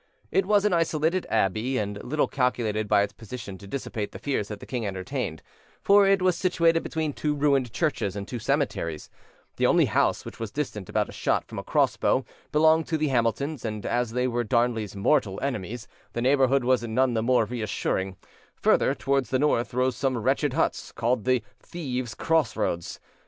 It was an isolated abbey, and little calculated by its position to dissipate the fears that the king entertained; for it was situated between two ruined churches and two cemeteries: the only house, which was distant about a shot from a cross bow, belonged to the Hamiltons, and as they were Darnley's mortal enemies the neighbourhood was none the more reassuring: further, towards the north, rose some wretched huts, called the "Thieves' cross roads".